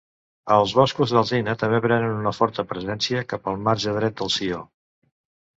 Els boscos d'alzina també prenen una forta presència cap al marge dret del Sió.